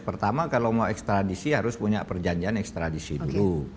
pertama kalau mau ekstradisi harus punya perjanjian ekstradisi dulu